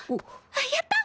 やった！